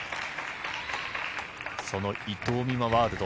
その伊藤美誠ワールド。